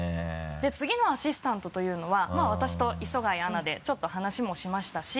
次のアシスタントというのはまぁ私と磯貝アナでちょっと話もしましたし。